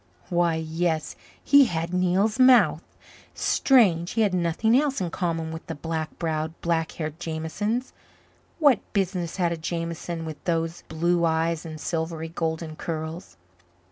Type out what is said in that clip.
Why, yes, he had Neil's mouth. Strange he had nothing else in common with the black browed, black haired Jamesons. What business had a Jameson with those blue eyes and silvery golden curls?